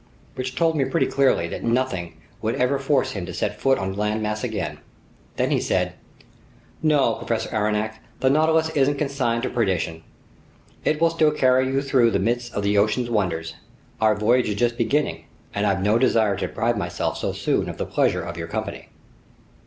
Which told me pretty clearly that nothing would ever force him to set foot on a land mass again. Then he said: "No, Professor Aronnax, the Nautilus isn't consigned to perdition. It will still carry you through the midst of the ocean's wonders. Our voyage is just beginning, and I've no desire to deprive myself so soon of the pleasure of your company."